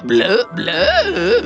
bluh bluh bluh